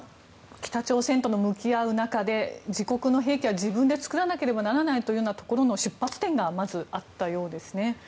北朝鮮とも向き合う中で自国の兵器は自分で作らなければならないという出発点がまずあったようですね。